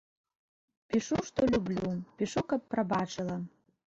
Пішу, што люблю, пішу, каб прабачыла.